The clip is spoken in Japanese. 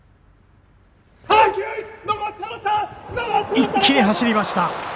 一気に走りました。